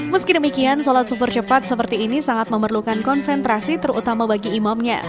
meski demikian sholat super cepat seperti ini sangat memerlukan konsentrasi terutama bagi imamnya